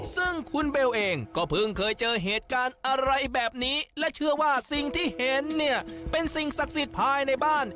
ซึ่งคุณเบลเองก็เพิ่งเคยเจอเหตุการณ์อะไรแบบนี้และเชื่อว่าสิ่งที่เห็นเนี่ยเป็นสิ่งศักดิ์สิทธิ์ภายในบ้าน